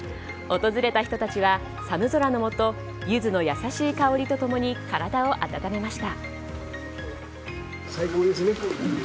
訪れた人たちは寒空のもと、ゆずの優しい香りと共に体を温めました。